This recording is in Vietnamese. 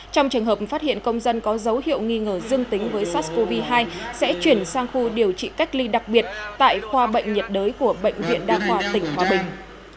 trong trường hợp phát hiện công dân có dấu hiệu nghi ngờ dương tính với sars cov hai sẽ chuyển sang khu điều trị cách ly đặc biệt tại khoa bệnh nhiệt đới của bệnh viện đa hòa tỉnh hòa bình